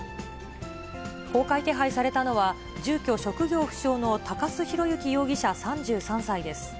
公開手配されたのは、住居・職業不詳の鷹巣浩之容疑者３３歳です。